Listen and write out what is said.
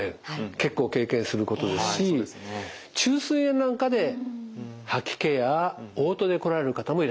結構経験することですし虫垂炎なんかで吐き気やおう吐で来られる方もいらっしゃいます。